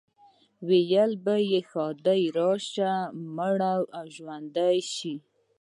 ویل به یې ښادي راشي، مړی او ژوندی شي.